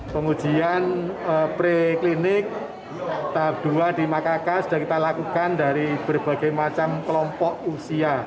pengujian pre klinik tahap dua di makakaka sudah kita lakukan dari berbagai macam kelompok usia